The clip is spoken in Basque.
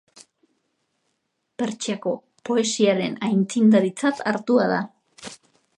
Pertsiako poesiaren aitzindaritzat hartua da.